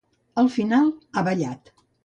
Al final han ballat.